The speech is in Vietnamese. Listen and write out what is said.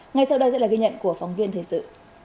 ngay sau đây sẽ là ghi nhận của phóng viên thời sự